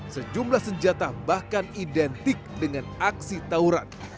sejumlah senjata bahkan identik dengan aksi tauran